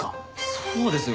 そうですよ。